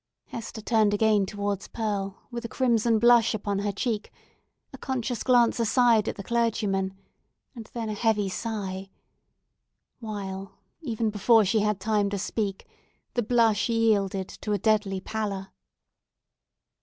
Hester turned again towards Pearl with a crimson blush upon her cheek, a conscious glance aside at the clergyman, and then a heavy sigh, while, even before she had time to speak, the blush yielded to a deadly pallor.